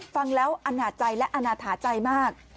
ฟังแล้วอนาจใจและอนาถาใจมาก